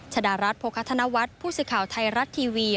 ชดารัฐโภคธนวัฒน์พูดสิทธิ์ข่าวไทยรัฐทีวี